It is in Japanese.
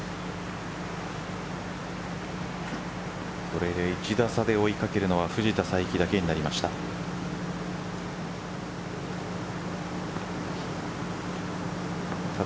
これで１打差で追いかけるのは藤田さいきだけになりました。